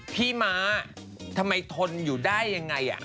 พี่ม้าทำไมทนอยู่ได้ยังไง